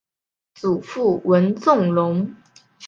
祖父文仲荣。